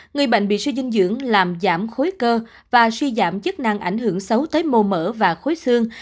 người bệnh bị suy dinh dưỡng làm giảm khối cơ và suy giảm chức năng ảnh hưởng xấu tới mô mở và khối xương